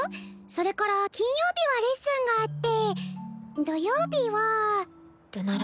それから金曜日はレッスンがあって土曜日は。